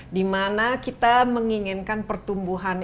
di mana kita menginginkan pertumbuhan